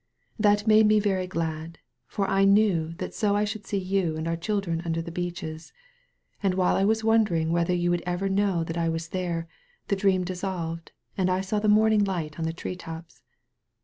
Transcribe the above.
That made me very glad, for I knew that so I should see you and our children imder the beeches. And while I was won dering whether you would ever know that I was there, the dream dissolved, and I saw the morning light on the tree tops.